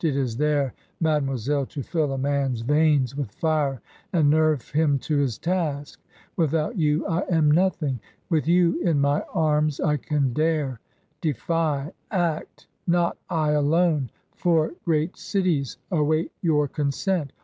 It is there, mademoiselle, to fill a man's veins with fire and nerve him to his task. Without you I am nothing. With you in my arms I can dare — defy — act Not I alone — four great cities await your consent.